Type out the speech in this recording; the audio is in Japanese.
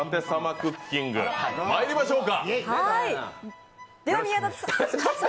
クッキング、まいりましょうか。